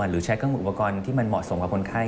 หรือใช้อุปกรณ์ที่มันเหมาะสมกับคนไข้